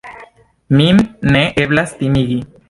Min ne eblas timigi.